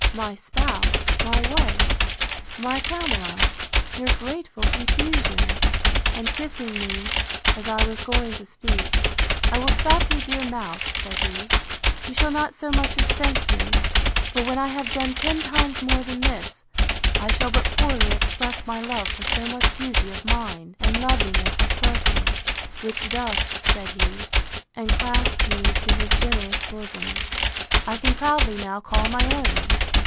my spouse! my wife! my Pamela! your grateful confusion. And kissing me, as I was going to speak, I will stop your dear mouth, said he: You shall not so much as thank me; for when I have done ten times more than this, I shall but poorly express my love for so much beauty of mind, and loveliness of person; which thus, said he, and clasped me to his generous bosom, I can proudly now call my own!